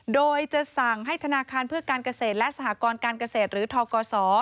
โดยจะสั่งให้ธนาคารเพื่อการเกษตรและสหกรการเกษตรหรือทกศ